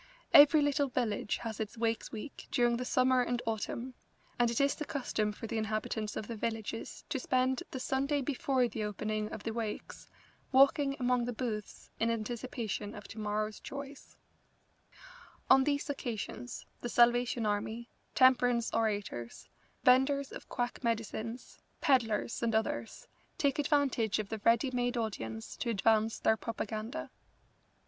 Every little village has its Wakes week during the summer and autumn, and it is the custom for the inhabitants of the villages to spend the Sunday before the opening of the Wakes walking among the booths in anticipation of tomorrow's joys. On these occasions the Salvation Army, temperance orators, venders of quack medicines, pedlars, and others, take advantage of the ready made audience to advance their propaganda.